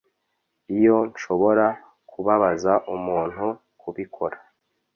Iyo nshobora kubabaza umuntu kubikora